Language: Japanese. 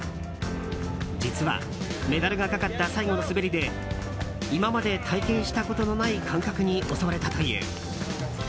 実は、メダルがかかった最後の滑りで今まで体験したことのない感覚に襲われたという。